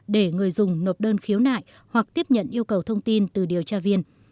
để người dùng nộp đơn khiếu nại hoặc tiếp nhận yêu cầu thông tin từ điều tra viên